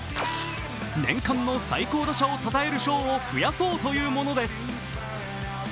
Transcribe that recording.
年間の最高打者をたたえる賞を増やそうというものです。